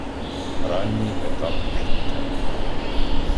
Ранній етап життя.